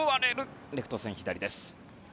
レフト線左です。